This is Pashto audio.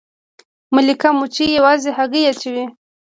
ملکه مچۍ یوازې هګۍ اچوي